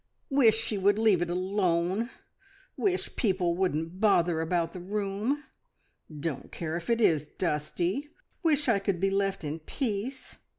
"Wish she would leave it alone! Wish people wouldn't bother about the room. Don't care if it is dusty! Wish I could be left in peace.